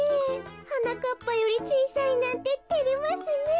はなかっぱよりちいさいなんててれますねえ。